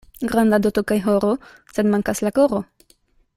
Granda doto kaj oro, sed mankas la koro.